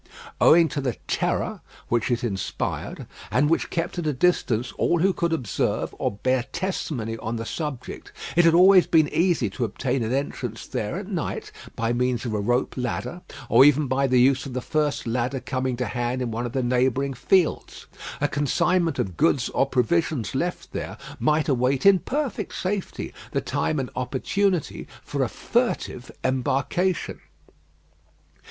Owing to the terror which it inspired, and which kept at a distance all who could observe or bear testimony on the subject, it had always been easy to obtain an entrance there at night by means of a rope ladder, or even by the use of the first ladder coming to hand in one of the neighbouring fields. A consignment of goods or provisions left there might await in perfect safety the time and opportunity for a furtive embarkation.